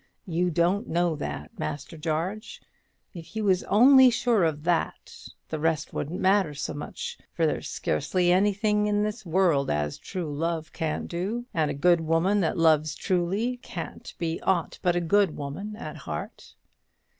You don't know that, Master Jarge. If you was only sure of that, the rest wouldn't matter so much; for there's scarcely anything in this world as true love can't do; and a woman that loves truly can't be aught but a good woman at heart.